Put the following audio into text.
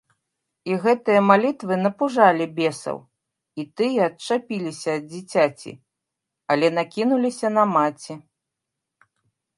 І гэтыя малітвы напужалі бесаў, і тыя адчапіліся ад дзіцяці, але накінуліся на маці.